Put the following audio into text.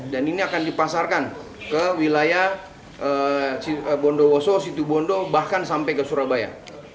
dan ini akan dipasarkan ke wilayah bondowoso situ bondo bahkan sampai ke surabaya